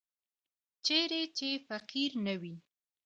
چیرې چې فقر نه وي.